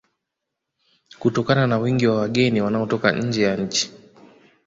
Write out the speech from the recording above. Kutokana na wingi wa wageni wanaotoka nje ya nchi